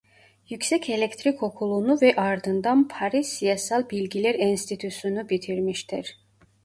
Yüksek Elektik Okulu'nu ve ardından Paris Siyasal Bilgiler Enstitüsü'nü bitirmiştir.